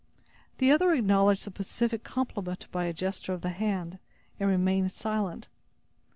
The other acknowledged the pacific compliment by a gesture of the hand, and remained silent.